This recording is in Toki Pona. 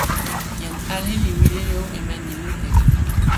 jan ale li wile jo e mani mute.